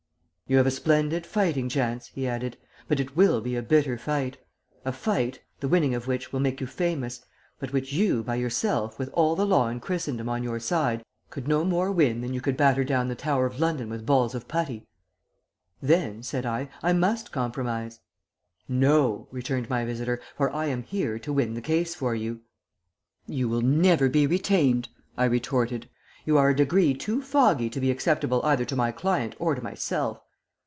'" "'You have a splendid fighting chance,' he added, 'but it will be a bitter fight, a fight, the winning of which will make you famous, but which you, by yourself, with all the law in Christendom on your side, could no more win than you could batter down the Tower of London with balls of putty.' "'Then,' said I, 'I must compromise.' "'No,' returned my visitor, 'for I am here to win the case for you.' "'You will never be retained,' I retorted. 'You are a degree too foggy to be acceptable either to my client or to myself.'